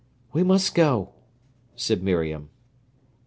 "We must go," said Miriam.